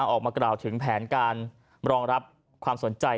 ออกมากล่าวถึงแผนการรองรับความสนใจ